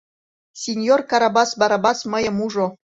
Синьор Карабас Барабас мыйым ужо.